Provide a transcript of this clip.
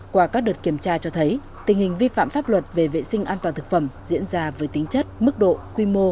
qua các đợt kiểm tra cho thấy tình hình vi phạm pháp luật về vệ sinh an toàn thực phẩm diễn ra với tính chất mức độ quy mô